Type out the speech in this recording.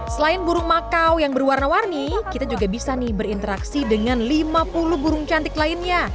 selain burung makau yang berwarna warni kita juga bisa nih berinteraksi dengan lima puluh burung cantik lainnya